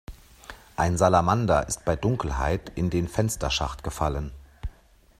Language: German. Ein Salamander ist bei Dunkelheit in den Fensterschacht gefallen.